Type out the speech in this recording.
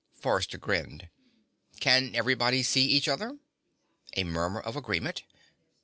Forrester grinned. "Can everybody see each other?" A murmur of agreement.